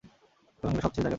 সুতরাং, এরা এসব জায়গায় থাকবে।